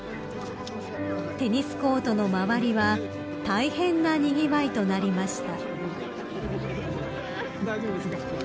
［テニスコートの周りは大変なにぎわいとなりました］